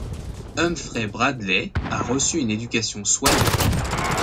Humphrey Bradley a reçu une éducation soignée.